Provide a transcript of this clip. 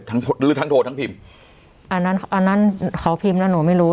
หรือทั้งโทรทั้งพิมพ์อันนั้นอันนั้นเขาพิมพ์แล้วหนูไม่รู้